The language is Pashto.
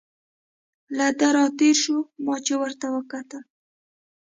له ده را تېر شو، ما چې ورته وکتل.